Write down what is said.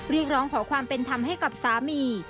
เรียกร้องขอความเป็นธรรมให้กับสามี